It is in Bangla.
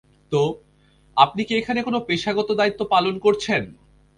তো, আপনি কি এখানে কোনো পেশাগত দায়িত্ব পালন করেছন?